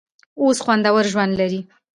اوس خوندور ژوند لري.